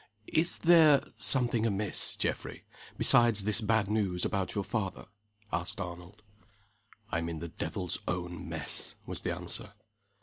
"Is there something amiss, Geoffrey, besides this bad news about your father?" asked Arnold. "I'm in the devil's own mess," was the answer.